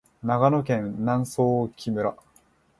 長野県南相木村